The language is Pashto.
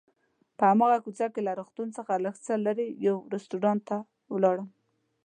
په هماغه کوڅه کې له روغتون څخه لږ څه لرې یو رستورانت ته ولاړم.